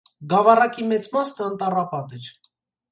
Գավառակի մեծ մասն անտառապատ էր։